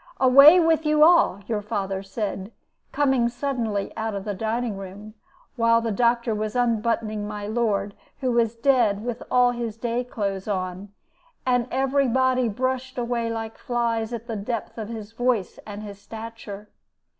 "'Away with you all!' your father said, coming suddenly out of the dining room, while the doctor was unbuttoning my lord, who was dead with all his day clothes on; and every body brushed away like flies at the depth of his voice and his stature.